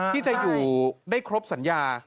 ที่จะอยู่ได้ครบสัญญา